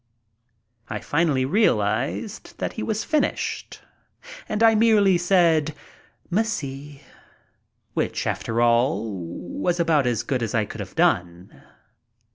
I finally realized that he was finished and I merely said, "Merci," which, after all, was about as good as I could have done.